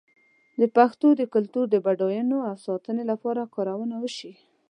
د پښتو د کلتور د بډاینو د ساتنې لپاره کارونه وشي.